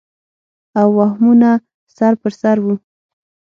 او وهمونه سر پر سر وو